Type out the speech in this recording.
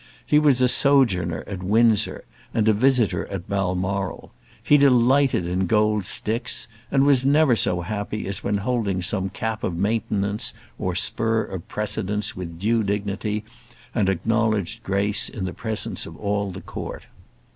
He was a sojourner at Windsor, and a visitor at Balmoral. He delighted in gold sticks, and was never so happy as when holding some cap of maintenance or spur of precedence with due dignity and acknowledged grace in the presence of all the Court.